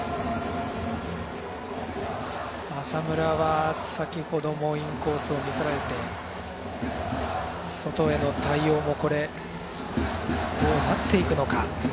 浅村は先ほどもインコースを見せられて外への対応もどうなっていくのか。